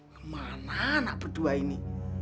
kemana anak berdua ini